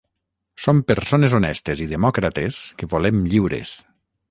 Són persones honestes i demòcrates que volem lliures.